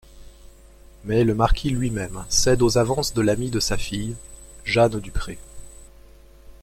Mais le marquis lui-même cède aux avances de l'amie de sa fille, Jeanne Dupré.